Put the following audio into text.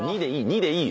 ２でいい。